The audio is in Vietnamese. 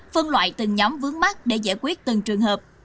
phân loại từng nhóm vướng mắt để giải quyết từng trường hợp